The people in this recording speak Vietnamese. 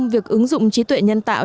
việc ứng dụng trí tuệ nhân tạo